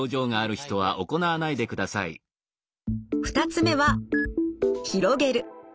２つ目は広げる。